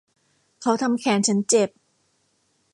เขาทำแขนฉันเจ็บ